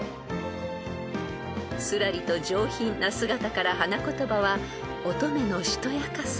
［すらりと上品な姿から花言葉は「乙女のしとやかさ」